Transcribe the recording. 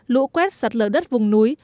lũ quét sặt lở đất vùng núi